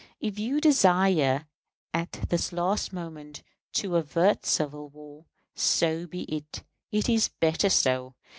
If you desire at this last moment to avert civil war, so be it; it is better so.